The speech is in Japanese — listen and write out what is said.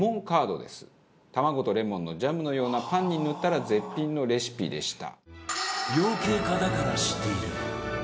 卵とレモンのジャムのようなパンに塗ったら絶品のレシピでした。